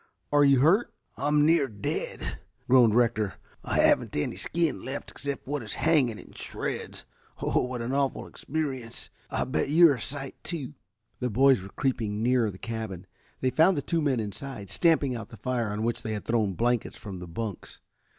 Are you hurt?" "I'm near dead," groaned Rector. "I haven't any skin left except what is hanging in shreds. Oh, what an awful experience. I'll bet you are a sight, too." The boys were creeping nearer the cabin. They found the two men inside stamping out the fire on which they had thrown blankets from the bunks.